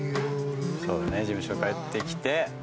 そうね事務所帰ってきて。